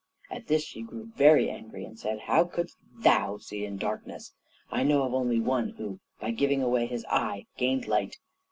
At this she grew very angry and said, "How couldst thou see in darkness? I know of only one who, by giving away his eye, gained light.